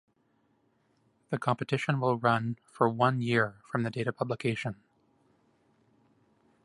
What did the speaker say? The competition will run for one year from the date of publication.